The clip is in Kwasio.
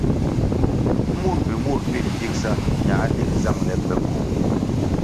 Mur mbpi mur bir gigsa ñā dig zangʼle pe koh.